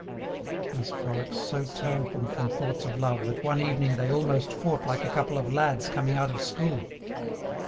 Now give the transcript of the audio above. These frolics so turned them from thoughts of love that one evening they almost fought like a couple of lads coming out of school.